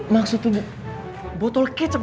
maksudnya botol kecap